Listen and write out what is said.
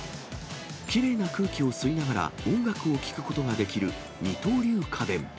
きれいな空気を吸いながら音楽を聴くことができる二刀流家電。